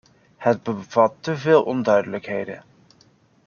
Het bevat te veel onduidelijkheden.